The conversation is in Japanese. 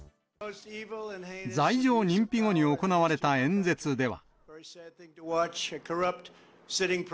罪状認否後に行われた演説では。